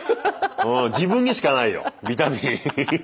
自分にしかないよビタミン。